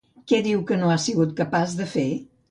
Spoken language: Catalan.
Què diu que no ha sigut capaç de fer?